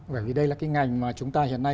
bởi vì đây là cái ngành mà chúng ta hiện nay